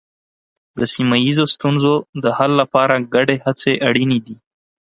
د سیمه ییزو ستونزو د حل لپاره ګډې هڅې اړینې دي.